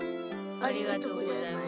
ありがとうございます。